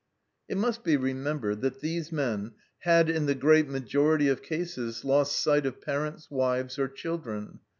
It must be re membered that these men had, in the great majority of cases, lost sight of parents, wives, or children.